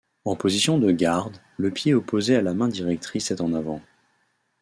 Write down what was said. En position de garde, le pied opposé à la main directrice est en avant.